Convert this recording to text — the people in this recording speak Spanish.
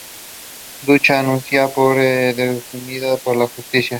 Dicha denuncia fue desestimada por la Justicia.